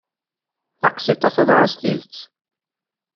Taqsiṭ-a teḍra s tidet.